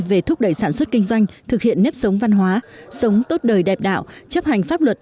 về thúc đẩy sản xuất kinh doanh thực hiện nếp sống văn hóa sống tốt đời đẹp đạo chấp hành pháp luật